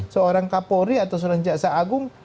seorang kapolri atau seorang jaksa agung